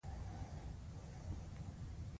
مطبوعاتي او فردي معقولې ازادۍ.